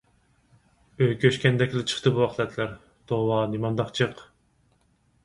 ئۆي كۆچكەندەكلا چىقتى بۇ ئەخلەتلەر. توۋا نېمانداق جىق!